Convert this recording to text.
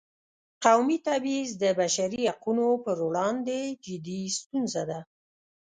قومي تبعیض د بشري حقونو پر وړاندې جدي ستونزه ده.